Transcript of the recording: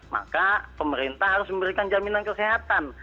maka pemerintah harus memberikan jaminan kesehatan